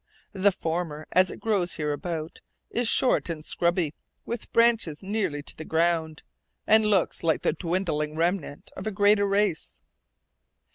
The former, as it grows hereabout, is short and scrubby, with branches nearly to the ground, and looks like the dwindling remnant of a greater race.